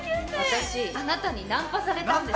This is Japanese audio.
私あなたにナンパされたんです。